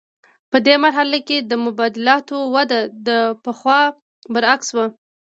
په دې مرحله کې د مبادلاتو وده د پخوا برعکس وه